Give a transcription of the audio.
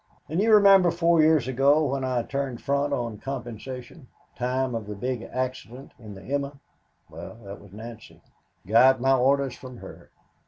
And you remember four years ago when I turned front on compensation time of the big accident in the 'Emma'? Well, that was Nancy got my orders from her.